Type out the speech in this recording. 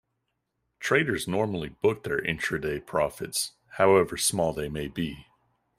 Traders normally book their intra-day profits, however small they may be.